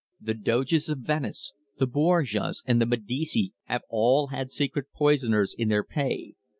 The Doges of Venice, the Borgias, and the Medici have all had secret poisoners in their pay.